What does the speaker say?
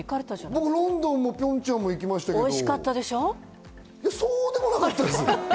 僕はロンドンもピョンチャンも行きましたけど、そうでもなかったです。